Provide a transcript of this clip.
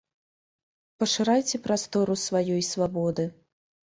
Пашырайце прастору сваёй свабоды.